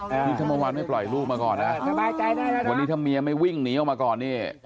นี่ถ้าเมื่อวานไม่ปล่อยลูกมาก่อนนะวันนี้ถ้าเมียไม่วิ่งหนีออกมาก่อนนี่